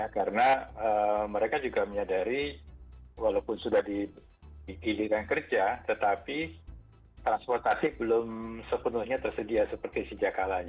karena mereka juga menyadari walaupun sudah dipilihkan kerja tetapi transportasi belum sepenuhnya tersedia seperti sejak kalanya